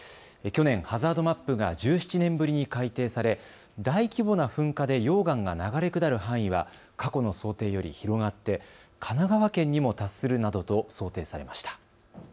去年、ハザードマップが１７年ぶりに改定され大規模な噴火で溶岩が流れ下る範囲は過去の想定より広がって神奈川県にも達するなどと想定されました。